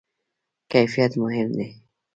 کیفیت مهم دی